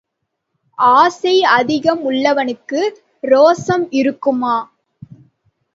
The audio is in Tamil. ஆசை அதிகம் உள்ளவனுக்கு ரோசம் இருக்குமா?